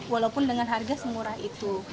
walaupun dengan harga semurah itu